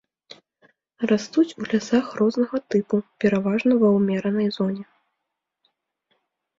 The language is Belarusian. Растуць у лясах рознага тыпу пераважна ва ўмеранай зоне.